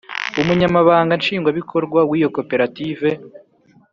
Umunyamabanga Nshingwabikorwa w iyo koperative